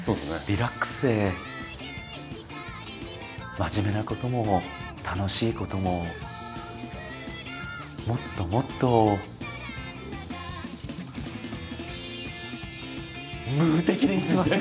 リラックスで真面目なことも楽しいことももっともっと「ムー」的にいきます。